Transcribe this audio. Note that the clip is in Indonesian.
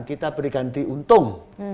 kita berikan di untung